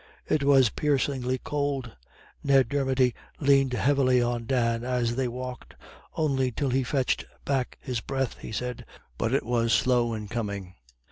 It was piercingly cold. Ned Dermody leaned heavily on Dan as they walked, only till he fetched back his breath, he said, but it was slow in coming.